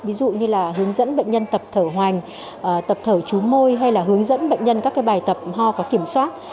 ví dụ như là hướng dẫn bệnh nhân tập thở hoành tập thở chú môi hay là hướng dẫn bệnh nhân các cái bài tập ho có kiểm soát